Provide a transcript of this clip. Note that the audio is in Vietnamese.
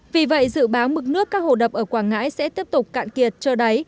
vì vậy dự báo mực nước các hồ đập ở quảng ngãi sẽ tiếp tục cạn kiệt trơ đáy